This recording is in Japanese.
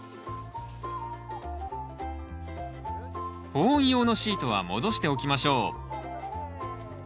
保温用のシートは戻しておきましょう。